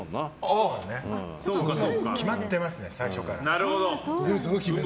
決まってますね、最初から。